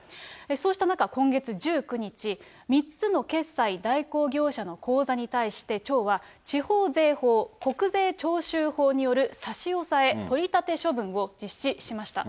そうした中、今月１９日、３つの決済代行業者の口座に対して、町は地方税法・国税徴収法による差し押さえ・取り立て処分を実施しました。